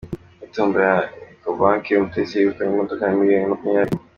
Muri tombola ya ekobanke Umutesi yegukanye imodoka ya miliyoni makumyabiri